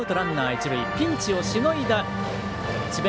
ピンチをしのいだ智弁